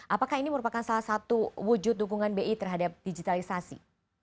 apakah ini merupakan salah satu wujud dukungan bi terhadap digitalisasi